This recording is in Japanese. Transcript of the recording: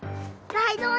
ライドウ